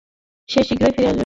সে শীঘ্রই ফিরে আসবে।